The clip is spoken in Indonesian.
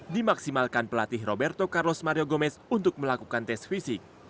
dimaksimalkan pelatih roberto carlos mario gomez untuk melakukan tes fisik